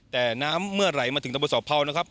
แต่น้ำเมื่อไหลมาถึงตำรวจสอบภาวนะครับ